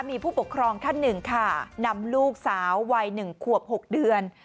มีผู้ปกครองท่านหนึ่งค่ะนำลูกสาววัย๑ขวบ๖เดือน